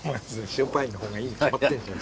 塩パインの方がいいに決まってんじゃん。